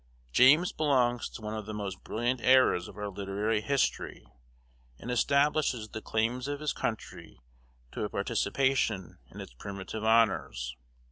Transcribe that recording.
James belongs to one of the most brilliant eras of our literary history, and establishes the claims of his country to a participation in its primitive honors.